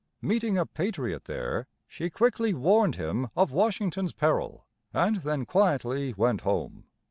Meeting a patriot there, she quickly warned him of Washington's peril, and then quietly went home.